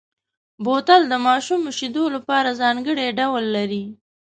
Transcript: بوتل د ماشومو شیدو لپاره ځانګړی ډول لري.